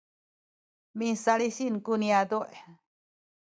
misalisin ku niyazu’